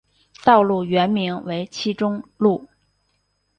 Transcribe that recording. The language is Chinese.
道路原名为七中路。